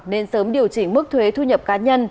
nên sớm điều chỉnh mức thuế thu nhập cá nhân